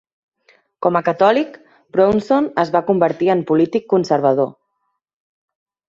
Com a catòlic, Brownson es va convertir en polític conservador.